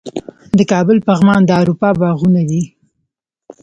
د کابل پغمان د اروپا باغونه دي